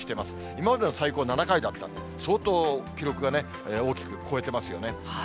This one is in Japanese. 今までの最高７回だったんで、相当、記録が大きく超えてますよね。